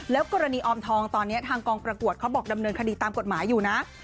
กรณีออมทองตอนนี้ทางกองประกวดเขาบอกดำเนินคดีตามกฎหมายอยู่นะ